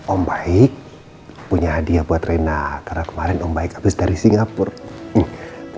om baik punya hadiah buat reina karena kemarin om baik habis dari singapura ini